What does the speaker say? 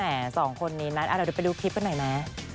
แหม่สองคนนี้นะเราไปดูคลิปกันหน่อยนะ